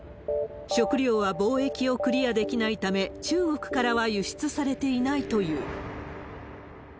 食糧は貿易をクリアできないため、中国からは輸出されていないという。